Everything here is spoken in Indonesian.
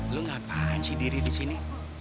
lo ngapain sih diri disini